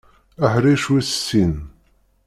Aḥric wis sin.